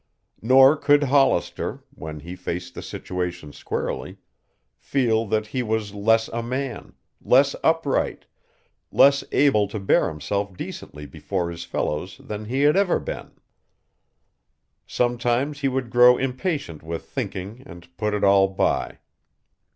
Nor could Hollister, when he faced the situation squarely, feel that he was less a man, less upright, less able to bear himself decently before his fellows than he had ever been. Sometimes he would grow impatient with thinking and put it all by.